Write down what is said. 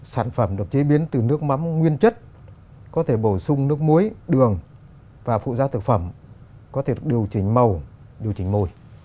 sản phẩm được chế biến từ nước mắm nguyên chất có thể bổ sung nước muối đường và phụ gia thực phẩm có thể được điều chỉnh màu điều chỉnh mồi